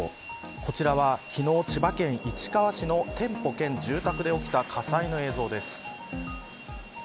こちらは昨日、千葉県市川市の店舗兼住宅で起きた火災の映像です。